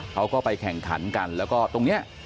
เขาก็ไปแข่งขันกันแล้วก็ตรงนี้